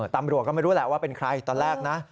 ตำรวจก็ไม่รู้แหละว่าเป็นใครตอนแรกนะ